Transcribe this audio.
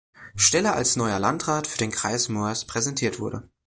Stelle als neuer Landrat für den Kreis Moers präsentiert wurde.